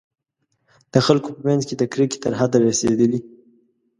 د خلکو په منځ کې د کرکې تر حده رسېدلي.